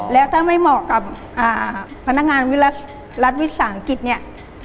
แล้วถ้าไม่เหมาะกับพนักงานรัฐวิสาหกิจเนี่ย